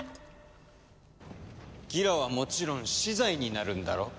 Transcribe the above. ギラはもちろん死罪になるんだろう？